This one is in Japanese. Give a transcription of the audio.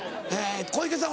小池さん